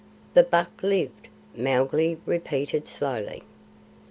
"The buck lived?" Mowgli repeated slowly.